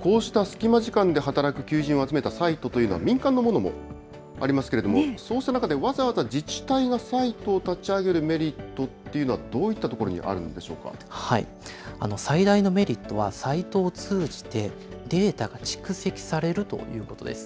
こうした隙間時間で働く求人を集めたサイトというのは、民間のものもありますけれども、そうした中で、わざわざ自治体がサイトを立ち上げるメリットというのは、どういったところにあるんで最大のメリットはサイトを通じて、データが蓄積されるということです。